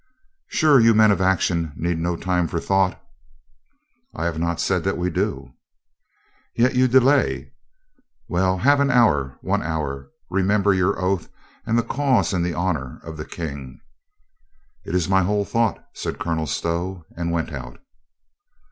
"Sure, you men of action need no time for thought." "I have not said that we do." "Yet you delay? Well, have an hour, one hour. Remember your oath and the cause and the honor of the King." "It is my whole thought," said Colonel Stow, and went out.